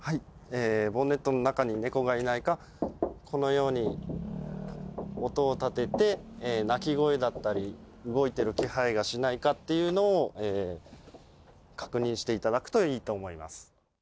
ボンネットの中に猫がいないか、このように、音を立てて、鳴き声だったり、動いてる気配がしないかっていうのを確認していただくといいと思